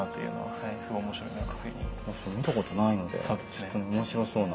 見たことないのでちょっと面白そうな。